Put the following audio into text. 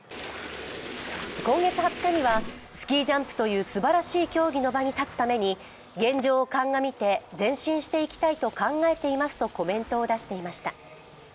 今月２０日には、スキージャンプというすばらしい競技の場に立つために現状を鑑みて前進していきたいと考えていますとコメントを出していました。